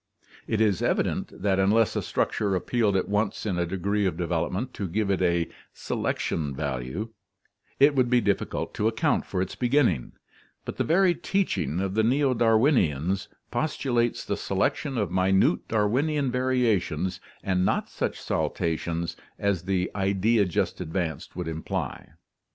It is evident that unless a structure ap pealed at once in a degree of development to give it a "selection value," it would be difficult to account for its beginning, but the very teaching of the Neo Darwinians postulates the selection of minute Darwinian variations and not such saltations as the idea just advanced would imply.